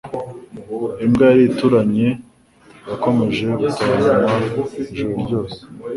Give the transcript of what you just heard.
Imbwa yari ituranye yakomeje gutontoma ijoro ryose.